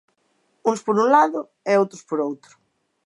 Uns por un lado e outros por outro.